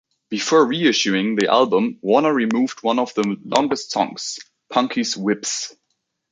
Before re-issuing the album Warner removed one of the longest songs, "Punky's Whips".